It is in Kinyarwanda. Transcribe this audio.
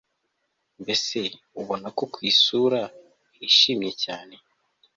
mbese ubona ko kwisura hishimye cyane